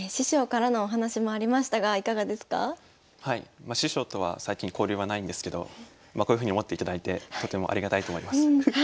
まあ師匠とは最近交流はないんですけどこういうふうに思っていただいてとてもありがたいと思います。